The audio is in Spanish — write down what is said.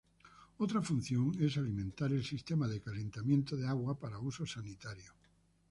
Otra función es alimentar el sistema de calentamiento de agua para usos sanitarios.